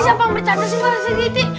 siapa yang bercanda sih pak sergiti